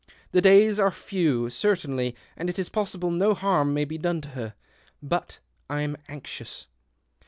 The days are few, certainly, and it is possible no harm may be done to her. But I'm anxious."